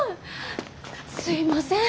すいません